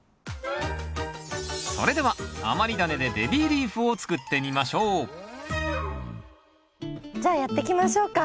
それでは余りダネでベビーリーフを作ってみましょうじゃあやっていきましょうか。